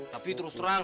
tapi terus terang